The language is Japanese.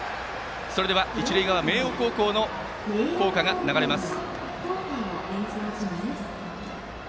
それでは一塁側明桜高校の校歌が流れます。